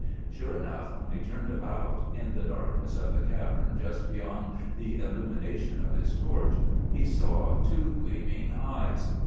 Sure enough, when he turned about, in the darkness of the cavern just beyond the illumination of his torch he saw two gleaming eyes.